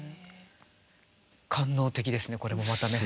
官能的ですねこれもまたね。